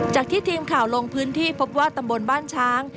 จากที่ทีมข่าวลงพื้นที่พบว่าตำบลบ้านช้าง